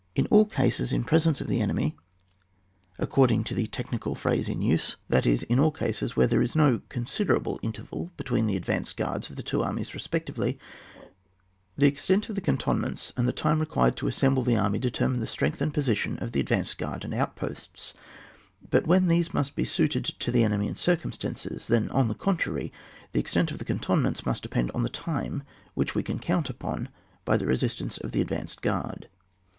In all cases in presence of the enemy, according to the technical phrase in use. 42 ON : that IB in all Cftses where there is no con aiderable interval between the advance (fuards of the two armies reBpecttvely, the extent of the cantonmeata and the time required to aBeemble the army determine the strength and position of the advanced guard and outpoatB ; but when these must be suited to the enemy end circumstances, then, on the contrary, the extent of the (»ntonments must depend on the time which we can count upon by the resist ance of the advance guard.